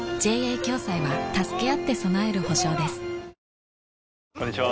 えっ？こんにちは。